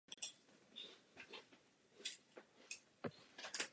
O tomto jejich vystoupení napsal kladnou recenzi i německý časopis "Heavy Metal".